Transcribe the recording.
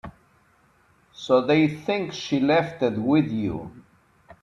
So they think she left it with you.